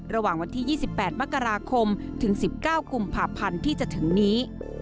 ระหว่างวันที่๒๘มกราคมถึง๑๙กุมภาพันธ์ที่จะถึงนี้